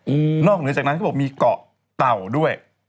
อืมนอกจากนั้นก็บอกว่ามีเกาะเตาด้วย